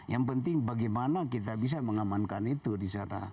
yang penting bagaimana kita bisa mengamankan itu di sana